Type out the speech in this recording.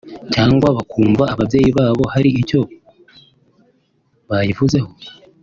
cyangwa bakumva ababyeyi babo hari icyo bayivuze ho